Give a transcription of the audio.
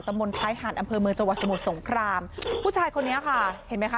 มนต์ท้ายหาดอำเภอเมืองจังหวัดสมุทรสงครามผู้ชายคนนี้ค่ะเห็นไหมคะ